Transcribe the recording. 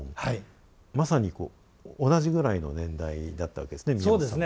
まさに同じぐらいの年代だったわけですね宮本さんも。